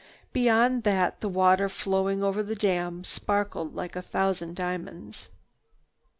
Beyond that the water flowing over the dam, sparkled like a thousand diamonds.